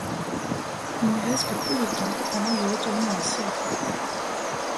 Il n'y reste que peu de temps avant de retourner en Syrie.